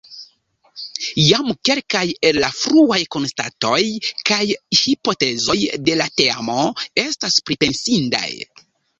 Jam kelkaj el la fruaj konstatoj kaj hipotezoj de la teamo estas pripensindaj.